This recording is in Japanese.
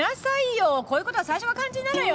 こういうことは最初が肝心なのよ！